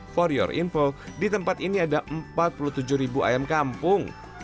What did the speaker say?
for your info di tempat ini ada empat puluh tujuh ribu ayam kampung